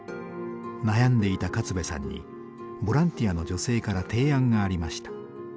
悩んでいた勝部さんにボランティアの女性から提案がありました。